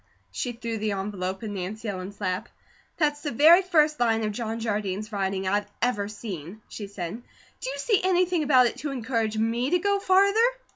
She threw the envelope in Nancy Ellen's lap. "That is the very first line of John Jardine's writing I have ever seen," she said. "Do you see anything about it to ENCOURAGE me to go farther?"